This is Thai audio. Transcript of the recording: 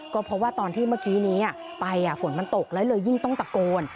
ก็เพราะว่าตอนที่เมื่อกี้นี้ไปฝนมันตกแล้วเลยยิ่งต้องตะโกน